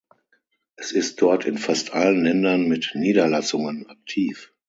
Es ist dort in fast allen Ländern mit Niederlassungen aktiv.